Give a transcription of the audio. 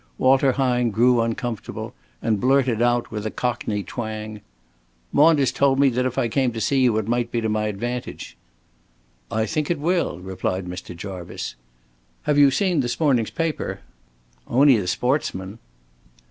Walter Hine grew uncomfortable, and blurted out with a cockney twang "Maunders told me that if I came to see you it might be to my advantage." "I think it will," replied Mr. Jarvice. "Have you seen this morning's paper?" "On'y the 'Sportsman'."